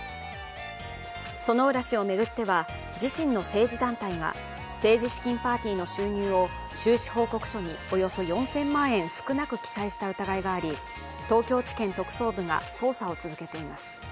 薗浦氏を巡っては自身の政治団体が政治資金パーティーの収入を収支報告書におよそ４０００万円少なく記載した疑いがあり東京地検特捜部が捜査を続けています。